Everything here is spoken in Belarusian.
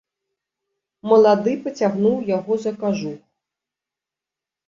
Малады пацягнуў яго за кажух.